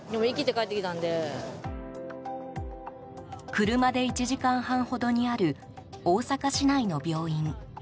車で１時間半ほどにある大阪市内の病院。